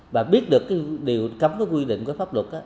và biết được cái điều cấm cái quy định của pháp luật